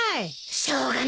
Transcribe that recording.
しょうがない。